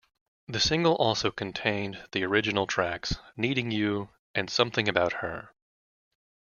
The single also contained the original tracks "Needing You" and "Something About Her".